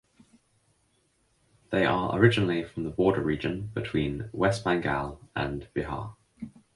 They are originally from the border region between West Bengal and Bihar.